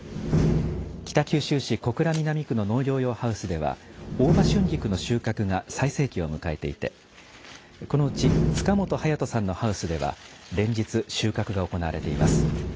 北九州市小倉南区の農業用ハウスでは大葉春菊の収穫が最盛期を迎えていてこのうちつか本颯人さんのハウスでは連日収穫が行われています。